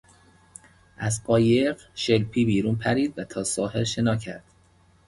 از قایق شلپی بیرون پرید و تا ساحل شنا کرد.